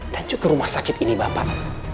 dan juga rumah sakit ini bapak